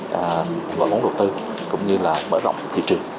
các loại món đầu tư cũng như là mở rộng thị trường